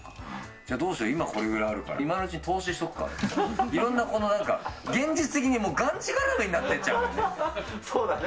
じゃあどうしよう、今これぐらいあるから、今のうちの投資しとくかとか、いろんななんか、現実的にがんじがらめになってっちゃうそうだね。